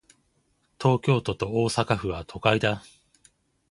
東京都と大阪府は、都会だ。